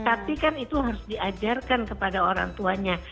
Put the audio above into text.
tapi kan itu harus diajarkan kepada orang tuanya